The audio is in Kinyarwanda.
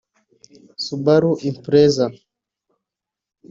Subaru Impreza -